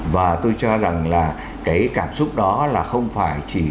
và tôi cho rằng là cái cảm xúc đó là không phải chỉ